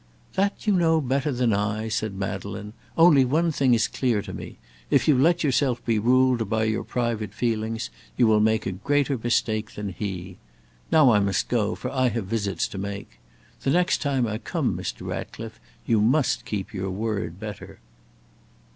"That you know better than I," said Madeleine; "only one thing is clear to me. If you let yourself be ruled by your private feelings, you will make a greater mistake than he. Now I must go, for I have visits to make. The next time I come, Mr. Ratcliffe, you must keep your word better."